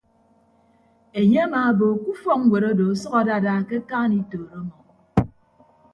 Enye amaabo ke ufọkñwet odo ọsʌk adada ke akaan itooro ọmọ.